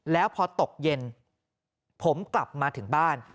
แล้วพอตกเย็นผมกลับมาถึงบ้าน